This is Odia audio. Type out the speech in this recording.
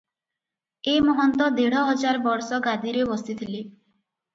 ଏ ମହନ୍ତ ଦେଢ଼ ହଜାର ବର୍ଷ ଗାଦିରେ ବସିଥିଲେ ।